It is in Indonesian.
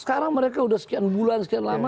sekarang mereka sudah sekian bulan sekian lama